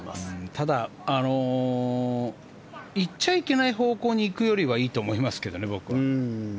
ただ行っちゃいけない方向に行くよりはいいと思いますけどね、僕は。